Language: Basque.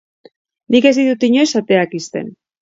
Nik ez ditut inoiz ateak ixten.